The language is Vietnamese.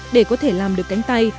để có thể làm được cánh tay